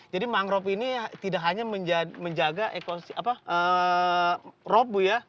jadi mangrove ini tidak hanya menjaga ekosistis apa rob bu ya